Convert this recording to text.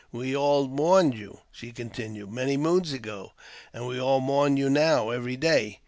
" We all mourned you," she continued, " many moons ago, and we all mourn you now every day.